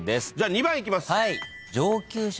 ２番いきます。